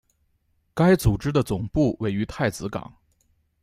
该组织的总部位于太子港。